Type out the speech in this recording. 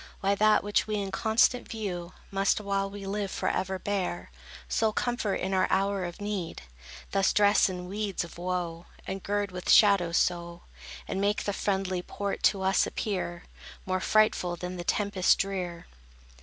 Why that, which we in constant view, Must, while we live, forever bear, Sole comfort in our hour of need, Thus dress in weeds of woe, And gird with shadows so, And make the friendly port to us appear More frightful than the tempest drear?